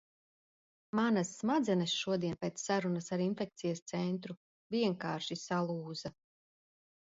Manas smadzenes šodien pēc sarunas ar infekcijas centru vienkārši salūza...